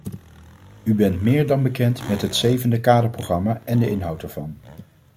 U bent meer dan bekend met het zevende kaderprogramma en de inhoud ervan.